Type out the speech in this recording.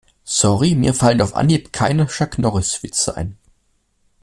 Sorry, mir fallen auf Anhieb keine Chuck-Norris-Witze ein.